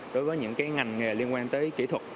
đối với những ngành liên quan tới kỹ thuật